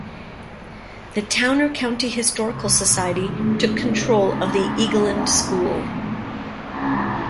The Towner County Historical Society took control of the Egeland School.